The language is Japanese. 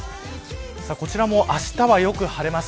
こちらもあしたはよく晴れます。